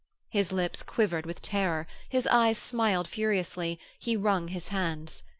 His lips quivered with terror, his eyes smiled furiously, he wrung his hands.